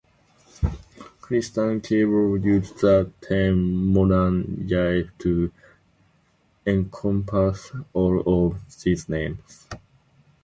Christine Keeble used the term 'modern jive' to encompass all of these names.